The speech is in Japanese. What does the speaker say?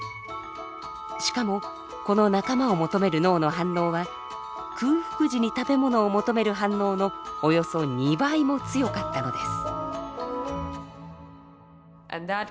しかもこの仲間を求める脳の反応は空腹時に食べ物を求める反応のおよそ２倍も強かったのです。